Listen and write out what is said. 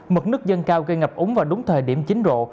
mực nước dân cao gây ngập úng vào đúng thời điểm chín rộ